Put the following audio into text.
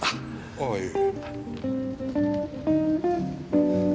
ああいえ。